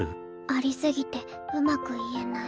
あり過ぎてうまく言えない。